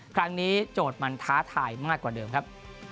ครั้งนี้โจทย์มันท้าทายมากกว่าเดิมครับ